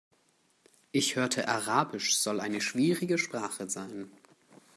Ich hörte, Arabisch soll eine schwierige Sprache sein.